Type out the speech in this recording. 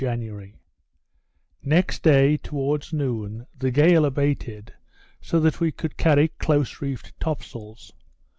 1773 January Next day, towards noon, the gale abated, so that we could carry close reefed top sails.